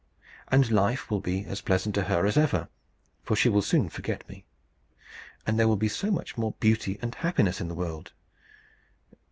And life will be as pleasant to her as ever, for she will soon forget me. And there will be so much more beauty and happiness in the world!